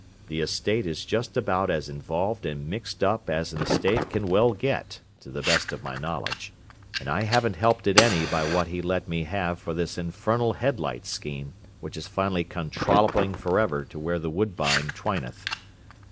"The estate is just about as involved and mixed up as an estate can well get, to the best of my knowledge; and I haven't helped it any by what he let me have for this infernal headlight scheme which has finally gone trolloping forever to where the woodbine twineth.